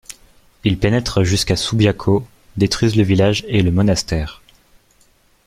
Ils pénètrent jusqu'à Subiaco, détruisent le village et le monastère.